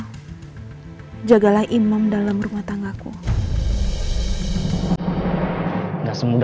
oh iya para rasu autonet elly pernah ngancurin aku